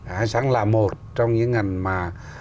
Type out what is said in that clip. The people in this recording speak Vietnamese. hải sản là một trong những ngành mà